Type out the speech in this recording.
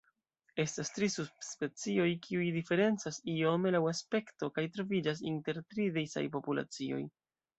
Estas tri subspecioj, kiuj diferencas iome laŭ aspekto kaj troviĝas en tri disaj populacioj.